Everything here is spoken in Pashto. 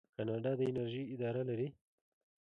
کاناډا د انرژۍ اداره لري.